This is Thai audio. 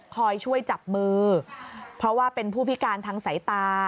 คอยช่วยจับมือเพราะว่าเป็นผู้พิการทางสายตา